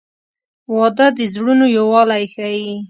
• واده د زړونو یووالی ښیي.